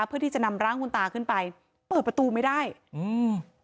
เพื่อที่จะนำร่างคุณตาขึ้นไปเปิดประตูไม่ได้อืม